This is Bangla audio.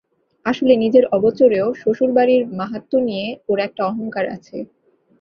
আসলে নিজের অগোচরেও শ্বশুরবাড়ির মাহাত্ম্য নিয়ে ওর একটা অহংকার আছে।